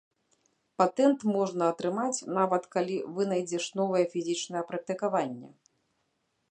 Патэнт можна атрымаць, нават калі вынайдзеш новае фізічнае практыкаванне.